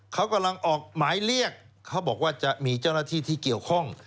เขากำลังออกหมายเรียกเขาบอกว่าจะมีเจ้าหน้าที่ที่เกี่ยวข้อง